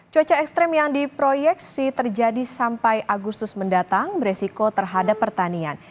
cuaca ekstrim yang diproyeksi terjadi sampai agustus mendatang beresiko terhadap pertanian